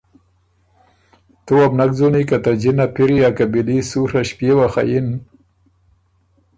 تُو وه بو نک ځُونی که ته جِنه پِری ا قبیلي سُوڒه ݭپيېوه خه یِن